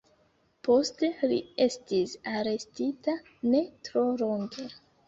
Poste li estis arestita ne tro longe.